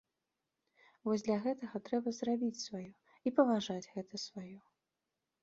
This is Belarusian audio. Вось для гэтага трэба зрабіць сваё і паважаць гэта сваё.